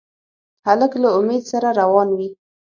هلک له امید سره روان وي.